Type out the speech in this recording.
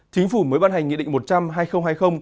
chính phủ mới ban hành nghị định một trăm linh hai nghìn hai mươi